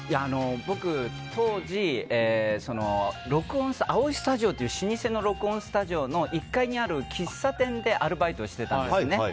僕、当時アオイスタジオっていう老舗の録音スタジオの１階にある喫茶店でアルバイトをしてたんですね。